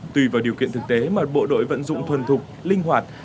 tùy vào điều kiện thực tế mà bộ đội vận dụng thuần thục linh hoạt